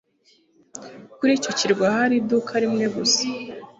Kuri icyo kirwa hari iduka rimwe gusa